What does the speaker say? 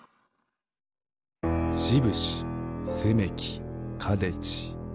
しぶしせめきかでち。